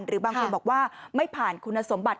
หรือบางคนบอกว่าไม่ผ่านคุณสมบัติ